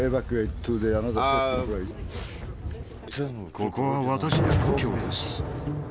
ここは私の故郷です。